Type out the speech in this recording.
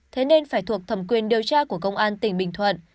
thế nên phải thuộc thẩm quyền điều tra của công an tỉnh bình thuận